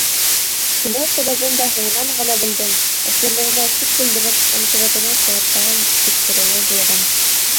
Килеү сәбәбен дә һуңынан ғына белдем, әсирлегенә шик белдереп НКВД-ның сираттағы тикшереүе булған.